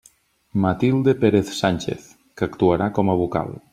Matilde Pérez Sánchez, que actuarà com a vocal.